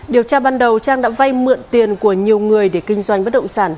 điều tra ban đầu trang đã vay mượn tiền của nhiều người để kinh doanh bất động sản